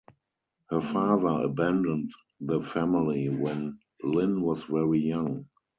Her father abandoned the family when Linn was very young.